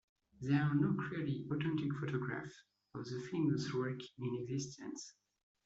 There are no clearly authentic photographs of the famous wreck in existence.